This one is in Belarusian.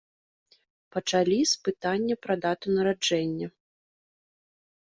Пачалі з пытання пра дату нараджэння.